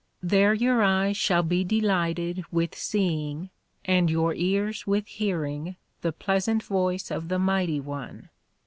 There your eyes shall be delighted with seeing, and your ears with hearing the pleasant voice of the Mighty One.